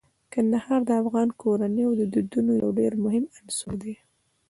کندهار د افغان کورنیو د دودونو یو ډیر مهم عنصر دی.